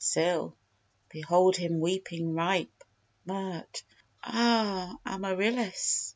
SIL. Behold him weeping ripe. MIRT. Ah, Amarillis!